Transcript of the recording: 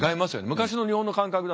昔の日本の感覚だと。